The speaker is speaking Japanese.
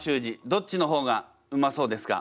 どっちの方がうまそうですか？